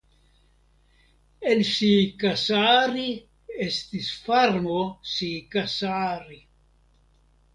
En Siikasaari estis farmo Siikasaari.